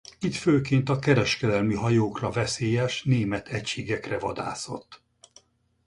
Itt főként a kereskedelmi hajókra veszélyes német egységekre vadászott.